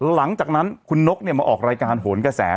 หลังจากนั้นคุณนกมาออกรายการโหนกระแส